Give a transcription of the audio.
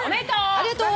ありがとう。